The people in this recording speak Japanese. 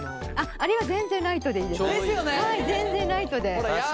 あれは全然ライトでいいです。ですよね！